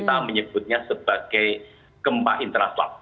yang disebutnya sebagai gempa intraslap